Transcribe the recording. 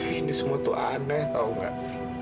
ini semua tuh aneh tahu nggak